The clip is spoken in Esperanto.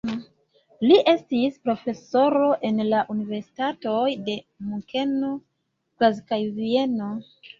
Li estis profesoro en la universitatoj de Munkeno, Graz kaj Vieno.